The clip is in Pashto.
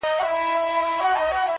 هره ستونزه د حل امکان لري!